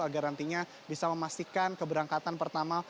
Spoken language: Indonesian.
agar nantinya bisa memastikan keberangkatan pertama